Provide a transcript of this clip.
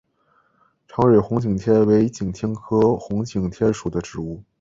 长蕊红景天为景天科红景天属的植物。